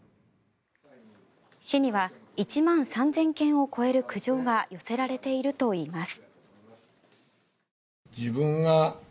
市には１万３０００件を超える苦情が寄せられているといいます。